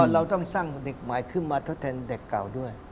เราต้องสร้างเด็กใหม่ขึ้นมาทดแทนเด็กเก่าด้วย